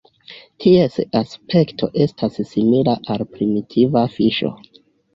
Ties aspekto estas simila al "primitiva fiŝo".